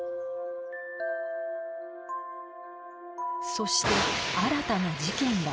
そして新たな事件が起きた